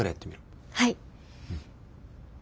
はい。